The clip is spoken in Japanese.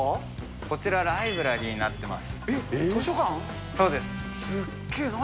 こちら、ライブラリーになっています。